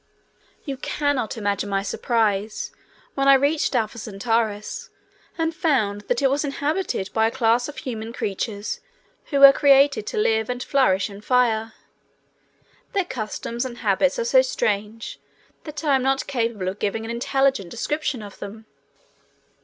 You cannot imagine my surprise when I reached Alpha Centaurus and found that it was inhabited by a class of human creatures who were created to live and flourish in fire. Their customs and habits are so strange that I am not capable of giving an intelligent description of them.